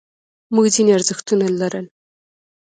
موږ ځینې ارزښتونه لرل.